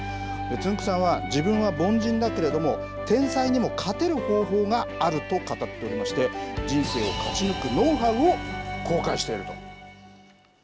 つんく♂さんは自分は凡人だけれども天才にも勝てる方法があると語っておりまして人生を勝ち抜くノウハウを公開していると。